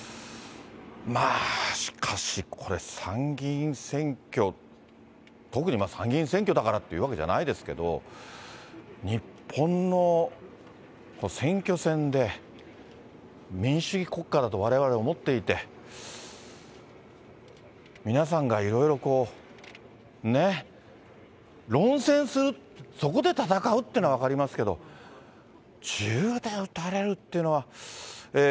まあしかし、これ、参議院選挙、特に参議院選挙だからっていうわけじゃないですけど、日本の選挙戦で、民主主義国家だとわれわれ思っていて、皆さんがいろいろね、論戦する、そこで戦うっていうのは分かりますけど、銃で撃たれるっていうのは。